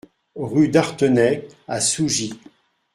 Rue d'Artenay à Sougy